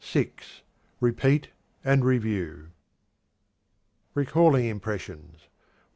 (6) Repeat and review. _Recalling Impressions.